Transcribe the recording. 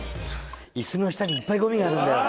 椅子の下にいっぱいゴミがあるんだよ。